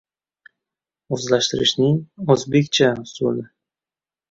O‘zlashtirishning «o‘zbekcha» usuli